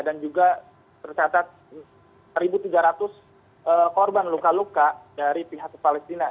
dan juga tersatat satu tiga ratus korban luka luka dari pihak palestina